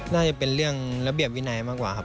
น่าจะเป็นเรื่องระเบียบวินัยมากกว่าครับ